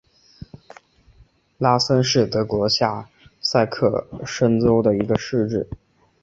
拉岑是德国下萨克森州的一个市镇。